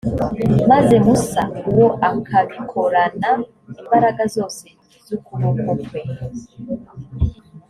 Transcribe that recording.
maze musa uwo akabikorana imbaraga zose z’ukuboko kwe,